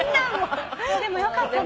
でもよかったね。